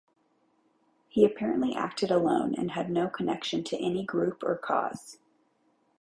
He apparently acted alone and had no connection to any group or cause.